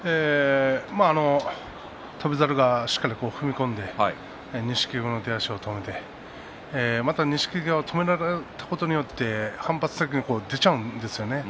翔猿が、しっかり踏み込んで錦木の出足を止めてまた錦木は止められたことによって反射的に出てしまうんですよね。